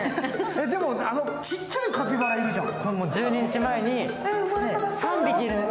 でも、ちっちゃいカピバラいるじゃん。